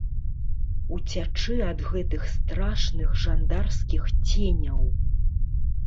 Уцячы ад гэтых страшных жандарскіх ценяў.